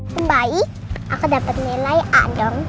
sembaik aku dapet nilai a dong